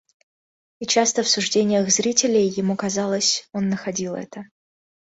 И часто в суждениях зрителей, ему казалось, он находил это.